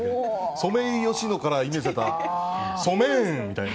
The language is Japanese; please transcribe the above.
ソメイヨシノからイメージされたソメーンみたいな。